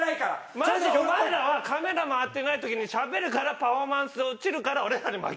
マジでお前らはカメラ回ってない時にしゃべるからパフォーマンス落ちるから俺らに負けたんだよ！